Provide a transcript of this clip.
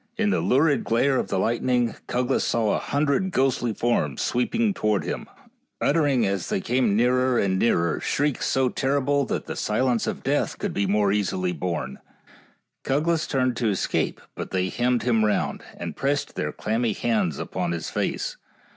In the lurid glare of the lightning Cuglas saw a hundred ghostly forms sweeping towards him, uttering as they came nearer and nearer shrieks so terrible that the silence of death could more easily be borne. Cuglas turned to escape, but they hemmed him round, and pressed their clammy hands upon his face.